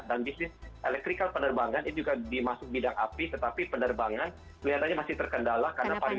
dan bisnis elektrikal penerbangan itu juga dimasuk bidang api tetapi penerbangan kelihatannya masih terkendala karena pandemi